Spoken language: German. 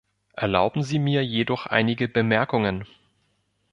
Erlauben Sie mir jedoch einige Bemerkungen.